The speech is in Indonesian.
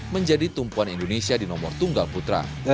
menjadi tumpuan indonesia di nomor tunggal putra